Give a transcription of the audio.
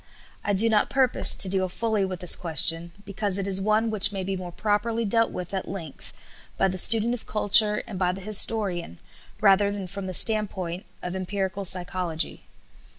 I do not purpose to deal fully with this question, because it is one which may be more properly dealt with at length by the student of culture and by the historian, rather than from the standpoint of empirical psychology.